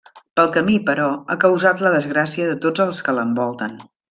Pel camí, però, ha causat la desgràcia de tots els que l'envolten.